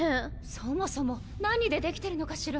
そもそも何で出来てるのかしら？